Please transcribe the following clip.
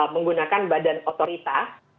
menggunakan badan otorita